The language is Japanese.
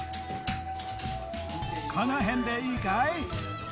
このへんでいいかい？